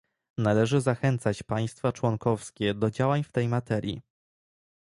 Należy zachęcać państwa członkowskie do działań w tej materii